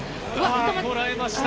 とらえました！